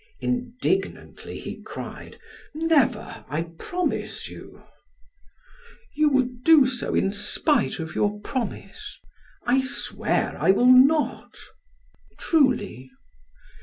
Indignantly he cried: "Never, I promise you!" "You would do so in spite of your promise." "I swear I will not." "Truly?"